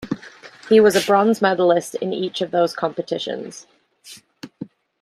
He was a bronze medalist in each of those competitions.